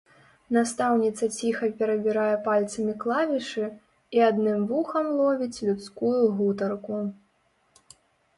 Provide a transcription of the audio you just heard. Настаўніца ціха перабірае пальцамі клавішы і адным вухам ловіць людскую гутарку.